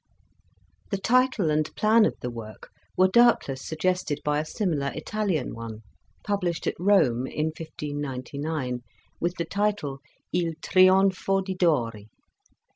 The title and plan of the work were doubtless suggested by a similar Italian one, published at Rome in 1599, with the title "II Trionfo di Dori."